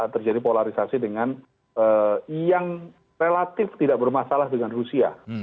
terjadi polarisasi dengan yang relatif tidak bermasalah dengan rusia